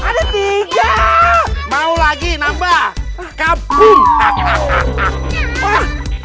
ada tiga mau lagi nambah kabung